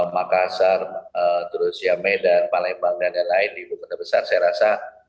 makassar terus ya medan palembang dan lain lain di ibu kota besar saya rasa